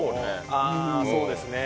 ああそうですね。